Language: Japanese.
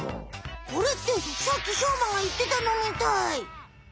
これってさっきしょうまがいってたのみたい！